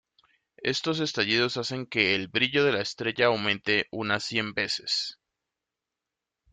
Estos estallidos hacen que el brillo de la estrella aumente unas cien veces.